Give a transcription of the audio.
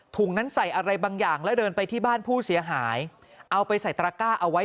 ถุงนั้นใส่อะไรบางอย่างแล้วเดินไปที่บ้านผู้เสียหายเอาไปใส่ตระก้าเอาไว้